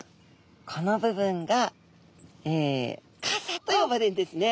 この部分が傘と呼ばれるんですね。